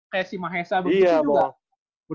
kayak si mahesa begitu juga